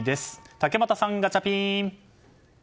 竹俣さん、ガチャピン！